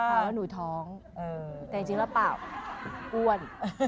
เพราะหนูท้องแต่จริงแล้วเปล่าอ้วน